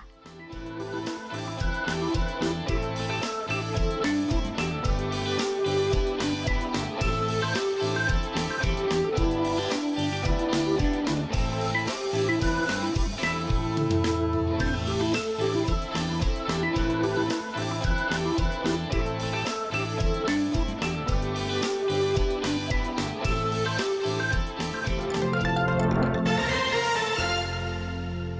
โปรดติดตามตอนต่อไป